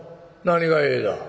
何が『え』だ。